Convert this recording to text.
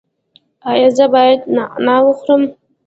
ایا زه باید نعناع وخورم؟